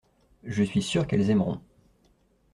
Je suis sûr qu’elles aimeront.